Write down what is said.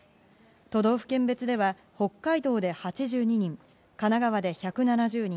都道府県別では北海道で８２人神奈川で１７０人